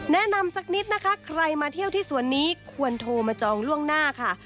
แนะนำสักนิดนะคะใครมาเที่ยวที่สวนนี้ควรโทรมาจองล่วงหน้าค่ะ